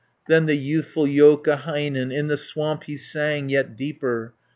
440 Then the youthful Joukahainen In the swamp he sang yet deeper.